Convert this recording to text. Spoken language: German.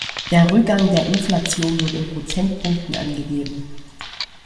Der Rückgang der Inflation wird in Prozentpunkten angegeben.